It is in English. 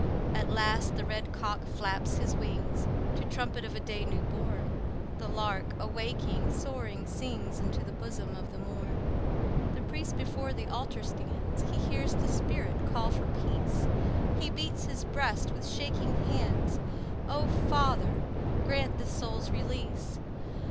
At last the red cock flaps his wings To trumpet of a day new born. The lark, awaking, soaring sings Into the bosom of the morn. The priest before the altar stands, He hears the spirit call for peace; He beats his breast with shaking hands. "O Father, grant this soul's release.